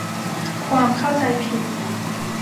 ความเข้าใจผิด